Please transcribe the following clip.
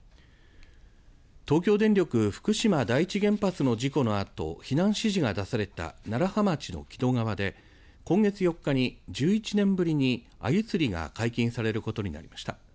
東京電力福島第一原発の事故のあと避難指示が出された楢葉町の木戸川で今月４日に、１１年ぶりにアユ釣りが解禁されることになりました。